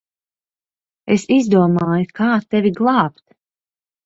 Es izdomāju, kā tevi glābt.